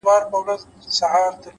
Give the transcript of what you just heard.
د زړه نرمي لوی قوت لري؛